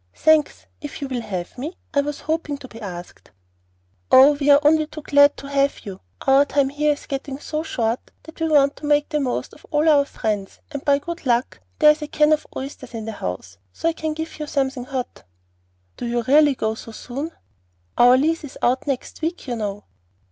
"Thanks, if you will have me; I was hoping to be asked." "Oh, we're only too glad to have you. Our time here is getting so short that we want to make the very most of all our friends; and by good luck there is a can of oysters in the house, so I can give you something hot." "Do you really go so soon?" "Our lease is out next week, you know."